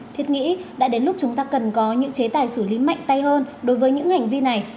thiết nghĩ đã đến lúc chúng ta cần có những chế tài xử lý mạnh tay hơn đối với những hành vi này